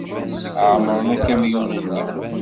Ԑemmren akamyun-nni.